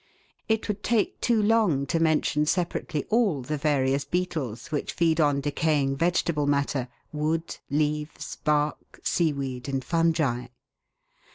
It would take too long to mention separately all the various beetles which feed on decaying vegetable matter, wood, leaves, bark, seaweed, and fungi.